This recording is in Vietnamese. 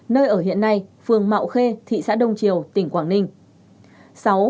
nơi ở hiện nay phường mạo khê thị xã đông triều tỉnh quảng ninh